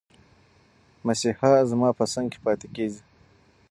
مسیحا زما په څنګ کې پاتې کېږي.